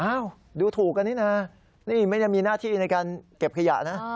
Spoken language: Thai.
ดูถูกกันนี่นะนี่ไม่ได้มีหน้าที่ในการเก็บขยะนะ